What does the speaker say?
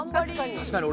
確かに俺。